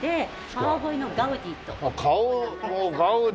川越のガウディもう。